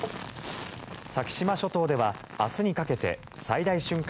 先島諸島では明日にかけて最大瞬間